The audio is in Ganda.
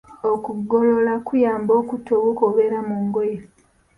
Okugolola kuyamba okutta obuwuka obubeera mu ngoye.